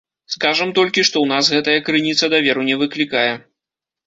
Скажам толькі, што ў нас гэтая крыніца даверу не выклікае.